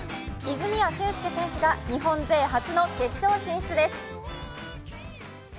泉谷駿介選手が日本勢初の決勝進出です。